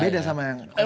beda sama yang